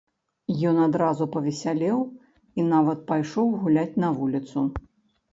Ён адразу павесялеў і нават пайшоў гуляць на вуліцу.